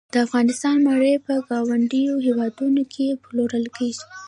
د افغانستان مڼې په ګاونډیو هیوادونو کې پلورل کیږي